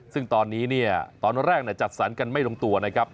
ซึ่งตอนนี้เนี่ยตอนแรกจัดสรรกันไม่ลงตัวนะครับ